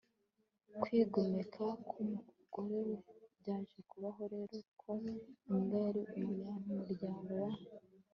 kwigomeka k'umugore we. byaje kubaho rero ko imbwa yari umunyamuryango wa